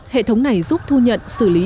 hệ thống này giúp thu nhận xử lý